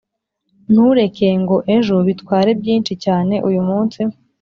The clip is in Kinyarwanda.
ntureke ngo ejo bitware byinshi cyane uyumunsi.